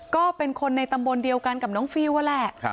ก็เป็นคนในตำบลเดียวกันกับน้องฟิลนั่นแหละ